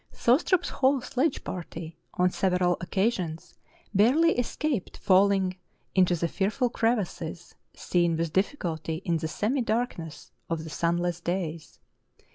Thos trup's whole sledge party on several occasions barely escaped falling into the fearful crevasses, seen with difficulty in the semi darkness of the sunless days.